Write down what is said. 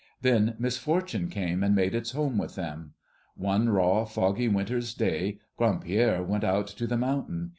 Then misfortune came and made its home with them. One raw, foggy winter's day Grand Pierre went out to the mountain.